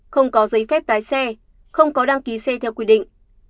không có giấy phép lái xe không có đăng ký xe theo quy định